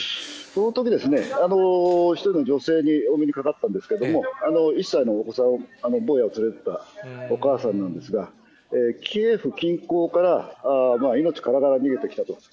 そのとき、１人の女性にお目にかかったんですけれども、１歳のお子さんを、坊やを連れてたお母さんなんですが、キエフ近郊から命からがら逃げてきたと。